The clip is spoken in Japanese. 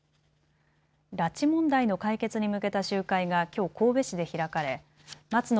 拉致問題の解決に向けた集会がきょう神戸市で開かれ松野